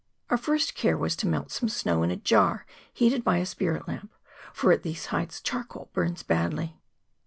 Our first care was to melt some snow in a jar heated by a spirit lamp, for at these heights charcoal burns badly.